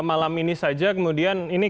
malam ini saja kemudian ini